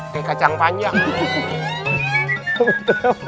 kayak kacang panjang